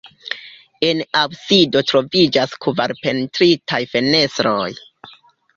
En absido troviĝas kvar pentritaj fenestroj.